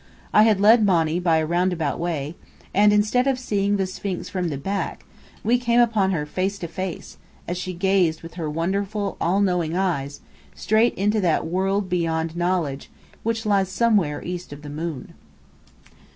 I had led Monny by a roundabout way, and instead of seeing the Sphinx from the back, we came upon her face to face, as she gazed with her wonderful, all knowing eyes, straight into that world beyond knowledge which lies somewhere east of the moon.